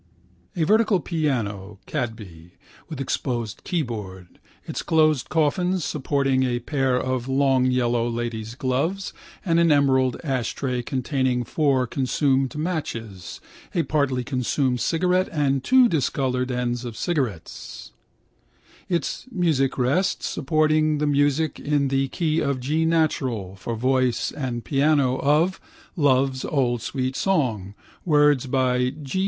A vertical piano (Cadby) with exposed keyboard, its closed coffin supporting a pair of long yellow ladies' gloves and an emerald ashtray containing four consumed matches, a partly consumed cigarette and two discoloured ends of cigarettes, its musicrest supporting the music in the key of G natural for voice and piano of Love's Old Sweet Song (words by G.